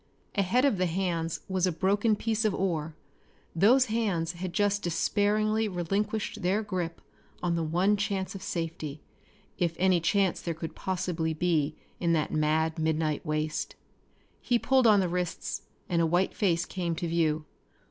Ahead of the hands was a broken piece of oar. Those hands had just despairingly relinquished their grip on the one chance of safety, if any chance there could possibly be in that mad midnight waste. He pulled on the wrists and a white face came to view.